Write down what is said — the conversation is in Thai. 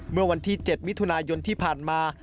เมื่อวันที่๗มิถุนายนที่ผ่านมา